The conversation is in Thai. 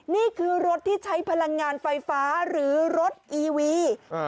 นี่คือรถที่ใช้พลังงานไฟฟ้าหรือรถอีวี